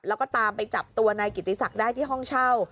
แล้วก็ตามไปจับตัวนายกิติศักดิ์ได้ที่ห้องเช่า